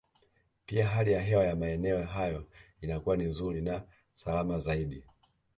Pia hali ya hewa ya maeneo hayo inakuwa ni nzuri na salama zaidi